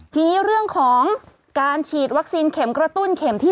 ทีนี้เรื่องของการฉีดวัคซีนเข็มกระตุ้นเข็มที่๓